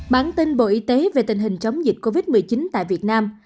bản tin bộ y tế về tình hình chống dịch covid một mươi chín tại việt nam